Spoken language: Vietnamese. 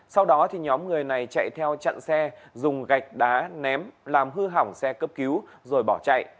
sau đó nhóm người này chạy theo chặn xe dùng gạch đá ném làm hư hỏng xe cấp cứu rồi bỏ chạy